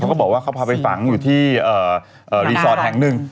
ก็บอกว่าเขาพาไปฝังอยู่ที่รีสอร์ทแห่งหนึ่ง